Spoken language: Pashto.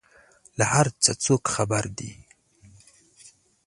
له هر څه څوک خبر دي؟